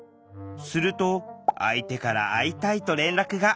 すると相手から「会いたい」と連絡が。